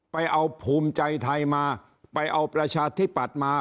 ไปเอาภูมิใจไทยมาไปเอาประชาธิปัตย์มา